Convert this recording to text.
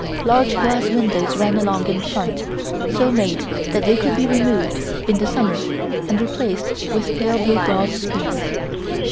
Large glass windows ran along in front, so made that they could be removed in the summer and replaced with pale blue gauze screens.